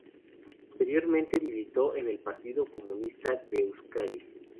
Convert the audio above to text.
Posteriormente militó en el Partido Comunista de Euskadi.